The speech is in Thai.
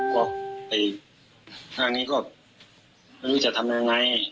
ดังนี้ก็ไม่รู้จะทำ่าย